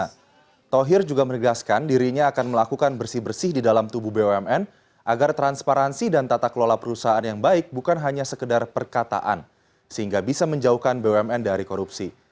erick thohir juga menegaskan dirinya akan melakukan bersih bersih di dalam tubuh bumn agar transparansi dan tata kelola perusahaan yang baik bukan hanya sekedar perkataan sehingga bisa menjauhkan bumn dari korupsi